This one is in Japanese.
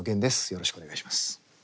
よろしくお願いします。